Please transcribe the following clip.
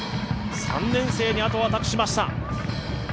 ３年生にあとは託しました。